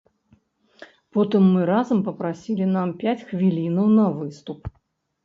Потым мы разам папрасілі нам пяць хвілінаў на выступ.